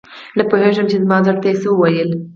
نه پوهیږم چې زما زړه ته یې څه وویل؟